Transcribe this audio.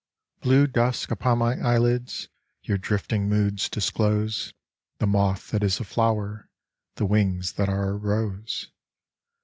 Blue dusk upon my eyelids, Your drifting moods disclose The moth that is a flower, The wings that are a rose.